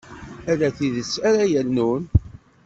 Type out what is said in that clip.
Ala tidet ara yernun.